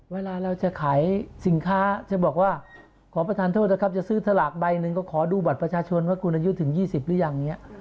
เวลาเราจะขายสินค้าจะบอกว่าขอประทานโทษนะครับจะซื้อสลากใบหนึ่งก็ขอดูบัตรประชาชนว่าคุณอายุถึง๒๐หรือยังเนี่ย